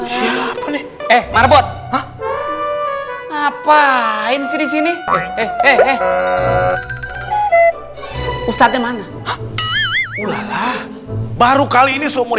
siapa nih eh marbot ngapain sini sini eh eh eh eh ustadznya mana ulala baru kali ini seumur